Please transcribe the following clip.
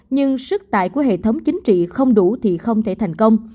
nhưng sức tải của hệ thống chính trị không đủ thì không thể thành công